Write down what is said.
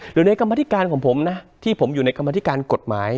หรือในกรรมธิการของผมนะที่ผมอยู่ในกรรมธิการกฎหมาย